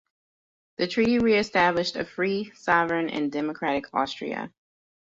The treaty re-established a free, sovereign and democratic Austria.